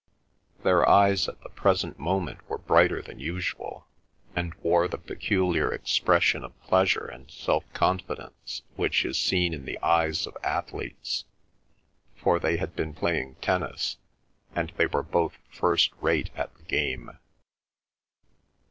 Their eyes at the present moment were brighter than usual, and wore the peculiar expression of pleasure and self confidence which is seen in the eyes of athletes, for they had been playing tennis, and they were both first rate at the game.